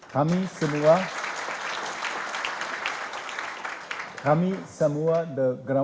kami semua di grup bank dunia siap mendukungnya